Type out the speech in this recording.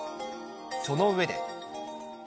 その上で。